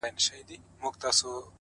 د کلي حوري په ټول کلي کي لمبې جوړي کړې;